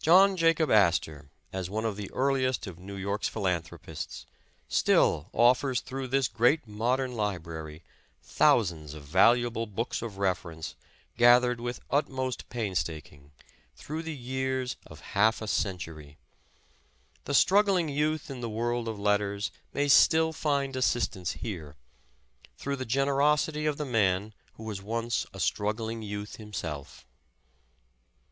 John Jacob Astor, as one of the earliest of New York's philanthropists, still offers through this great modern library, thousands of valu able books of reference, gathered with utmost painstak ing, through the years of half a century. The struggling youth in the world of letters may still find assistance here, through the generosity of the man who was once a struggling youth himself.